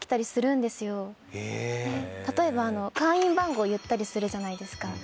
例えば会員番号言ったりするじゃないですか。